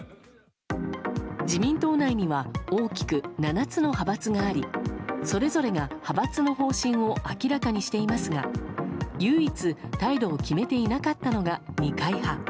自民党内には大きく７つの派閥がありそれぞれが派閥の方針を明らかにしていますが唯一、態度を決めていなかったのが二階派。